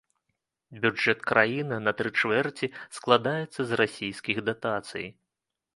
Бюджэт краіны на тры чвэрці складаецца з расійскіх датацый.